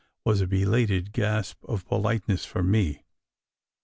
with a belated gasp of politeness for me.